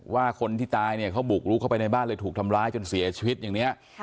ว่าคนที่ตายเนี่ยเขาบุกลุกเข้าไปในบ้านเลยถูกทำร้ายจนเสียชีวิตอย่างนี้